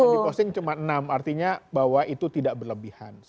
di posting cuma enam artinya bahwa itu tidak berlebihan